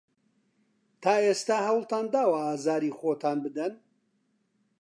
تا ئێستا هەوڵتان داوە ئازاری خۆتان بدەن؟